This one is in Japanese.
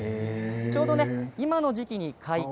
ちょうど今の時期に開花。